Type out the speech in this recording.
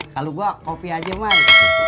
kalau gue kopi aja mas